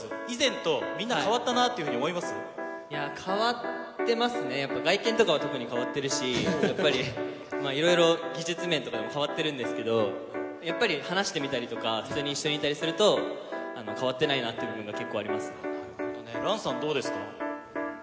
以前と、みんな変わったなという変わってますね、やっぱ外見とかは特に変わってるし、やっぱり、いろいろ、技術面とかでも変わってるんですけれども、やっぱり話してみたりとか、普通に一緒にいたりすると、変わってないなっていうの結構あＲＡＮさん、どうですか？